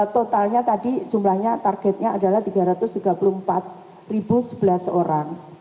totalnya tadi jumlahnya targetnya adalah tiga ratus tiga puluh empat sebelas orang